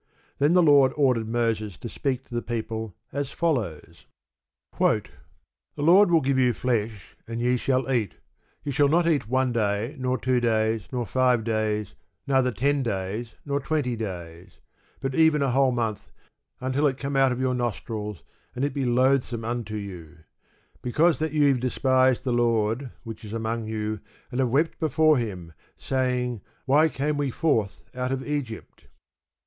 Then the Lord ordered Moses to speak to the people as follows: ... The Lord will give you flesh, and ye shall eat. Ye shall not eat one day, nor two days, nor five days, neither ten days nor twenty days: but even a whole month, until it come out of your nostrils, and it be loathsome unto you; because that ye have despised the Lord, which is among you, and have wept before Him, saying, Why came we forth out of Egypt?